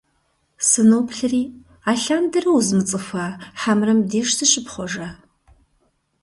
Сыноплъри, алъандэрэ узмыцӀыхуа, хьэмэрэ мыбдеж зыщыпхъуэжа?!